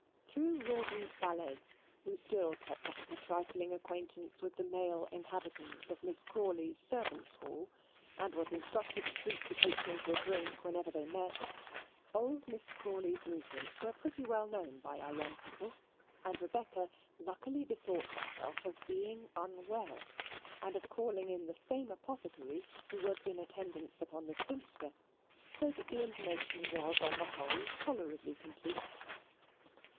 Through Rawdon's valet, who still kept up a trifling acquaintance with the male inhabitants of Miss Crawley's servants' hall, and was instructed to treat the coachman to drink whenever they met, old Miss Crawley's movements were pretty well known by our young couple; and Rebecca luckily bethought herself of being unwell, and of calling in the same apothecary who was in attendance upon the spinster, so that their information was on the whole tolerably complete.